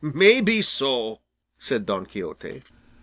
"May be so," said Don Quixote.